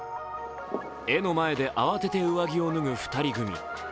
絵の前で慌てて上着を脱ぐ２人組。